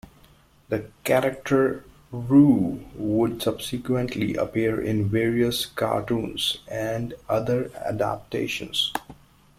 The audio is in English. The character Roo would subsequently appear in various cartoons and other adaptations.